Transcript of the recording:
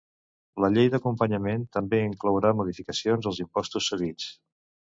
La llei d’acompanyament també inclourà modificacions als imposts cedits.